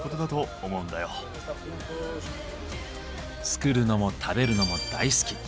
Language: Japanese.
作るのも食べるのも大好き。